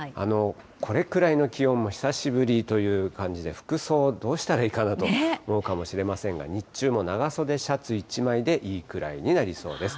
これくらいの気温も久しぶりという感じで、服装、どうしたらいいかなと思うかもしれませんが、日中も長袖シャツ１枚でいいくらいになりそうです。